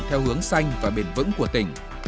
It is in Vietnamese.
theo hướng xanh và bền vững của tỉnh